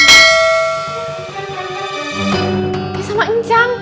ya sama ini cang